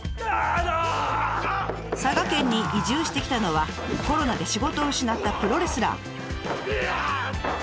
佐賀県に移住してきたのはコロナで仕事を失ったプロレスラー。